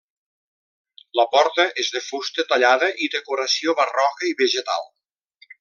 La porta és de fusta tallada i decoració barroca i vegetal.